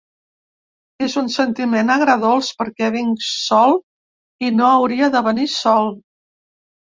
És un sentiment agredolç perquè vinc sol, i no hauria de venir sol.